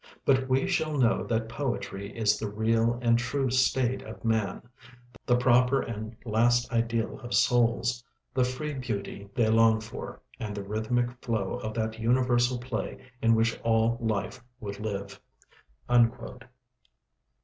But we shall know that poetry is the real and true state of man; the proper and last ideal of souls, the free beauty they long for, and the rhythmic flow of that universal play in which all life would live."